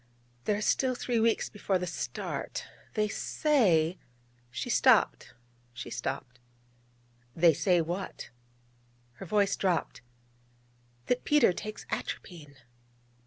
There are still three weeks before the start. They say...' She stopped, she stopped. 'They say what?' Her voice dropped: 'That Peter takes atropine.'